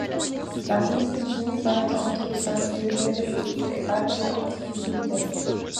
La confusion faite entre ceinture périphérique et quartier en difficulté.